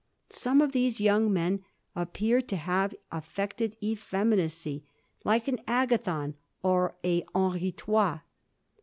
Some of these young men appear to have affected effemiuacy, like an Agathon or a Henri Trois.